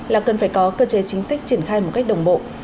là cần phải có cơ chế chính sách triển khai một cách đồng bộ